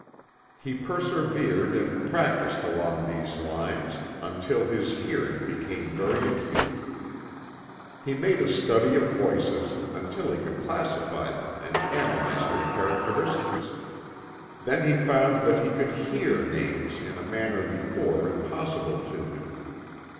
He persevered and practiced along these lines until his "hearing" became very acute. He made a study of voices, until he could classify them and analyze their characteristics. Then he found that he could hear names in a manner before impossible to him.